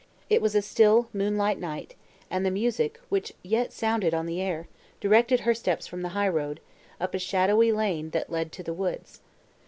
It was a still moonlight night, and the music, which yet sounded on the air, directed her steps from the high road, up a shadowy lane, that led to the woods.